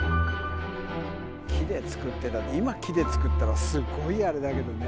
木で作ってたって今木で作ったらすごいあれだけどね。